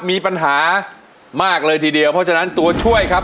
มีปัญหามากเลยทีเดียวเพราะฉะนั้นตัวช่วยครับ